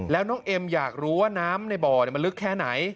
แล้วน้องเอ็มอยากรู้ว่าน้ำในบ่อมันลึกแค่ไหน